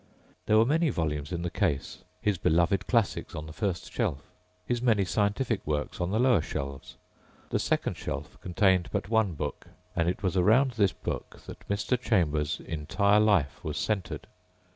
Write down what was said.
There were many volumes in the case: his beloved classics on the first shelf, his many scientific works on the lower shelves. The second shelf contained but one book. And it was around this book that Mr. Chambers' entire life was centered.